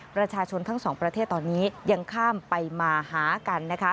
ประชาชนทั้งสองประเทศตอนนี้ยังข้ามไปมาหากันนะคะ